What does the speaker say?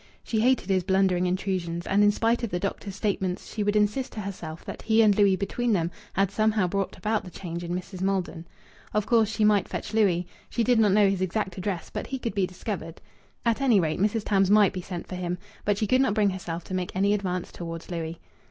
She hated his blundering intrusions; and in spite of the doctor's statements she would insist to herself that he and Louis between them had somehow brought about the change in Mrs. Maldon. Of course she might fetch Louis. She did not know his exact address, but he could be discovered. At any rate, Mrs. Tams might be sent for him. But she could not bring herself to make any advance towards Louis.